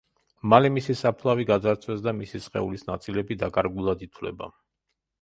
მალე მისი საფლავი გაძარცვეს და მისი სხეულის ნაწილები დაკარგულად ითვლება.